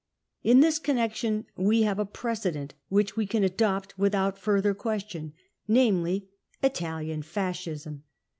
... In this connection we have a precedent, which we can adopt without further question, namely, Italian Fascism